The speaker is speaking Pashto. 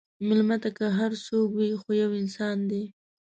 مېلمه ته که هر څوک وي، خو یو انسان دی.